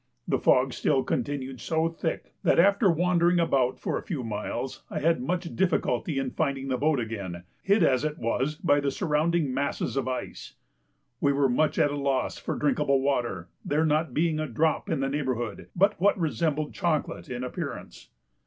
The fog still continued so thick, that, after wandering about for a few miles, I had much difficulty in finding the boat again, hid as it was by the surrounding masses of ice. We were much at a loss for drinkable water, there not being a drop in the neighbourhood but what resembled chocolate in appearance.